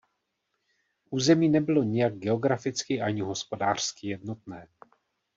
Území nebylo nijak geograficky ani hospodářsky jednotné.